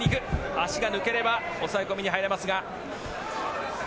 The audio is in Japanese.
足が抜ければ抑え込みに入れますが。